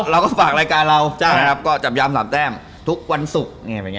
แล้วก็ฝากรายการเราจำยาม๓แจ้มทุกวันศุกร์